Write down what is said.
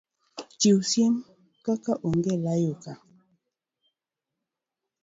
chiwo siem kaka Onge Layo Ka!